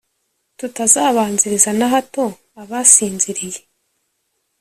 tutazabanziriza na hato abasinziriye